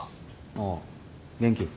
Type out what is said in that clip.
ああ元気？